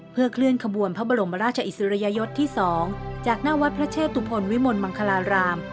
เพื่อเคลื่อนขบวนพระบรมราชอิสริยยศที่๒จากหน้าวัดพระเชตุพลวิมลมังคลาราม